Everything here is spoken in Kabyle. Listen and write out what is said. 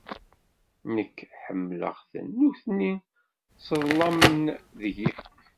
Nekk ḥemmleɣ-ten, nutni sseḍlamen deg-i.